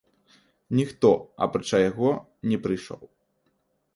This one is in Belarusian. Ніхто, апрача яго, не прыйшоў.